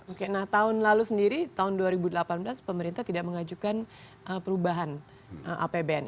oke nah tahun lalu sendiri tahun dua ribu delapan belas pemerintah tidak mengajukan perubahan apbn